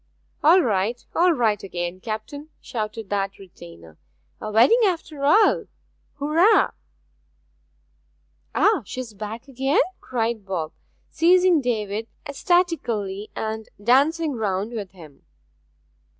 'All right all right again, captain!', shouted that retainer. 'A wedding after all! Hurrah!' 'Ah she's back again?' cried Bob, seizing David, ecstatically, and dancing round with him.